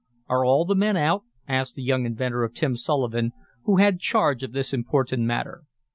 "Are all the men out?" asked the young inventor of Tim Sullivan, who had charge of this important matter.